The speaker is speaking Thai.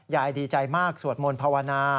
ยายดีใจมากสวดมนต์ภาวนา